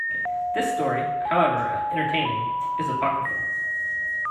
This story, however entertaining, is apocryphal.